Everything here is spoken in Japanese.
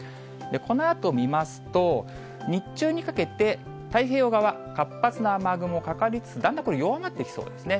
このあと見ますと、日中にかけて、太平洋側、活発な雨雲かかりつつ、だんだん弱まっていきそうですね。